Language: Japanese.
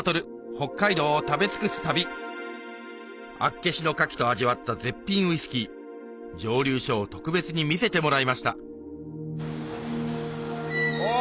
北海道を食べ尽くす旅厚岸のカキと味わった絶品ウイスキー蒸留所を特別に見せてもらいましたうわ